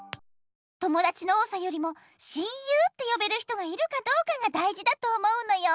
ともだちの多さよりも親友ってよべる人がいるかどうかがだいじだと思うのよ。